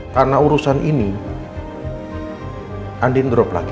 karena urusan ini undin drop lagi